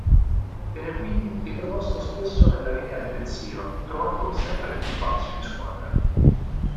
Viene quindi riproposto spesso nella linea difensiva, trovando sempre più spazio in squadra.